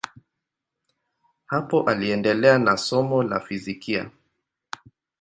Hapo aliendelea na somo la fizikia.